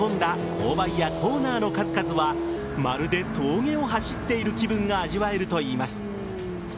勾配やコーナーの数々はまるで峠を走っている気分が味わえるといいます。